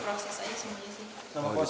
proses aja semuanya sih